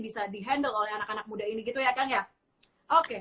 bisa di handle oleh anak anak muda ini gitu ya kang ya oke